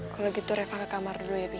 kalau gitu reva ke kamar dulu ya pi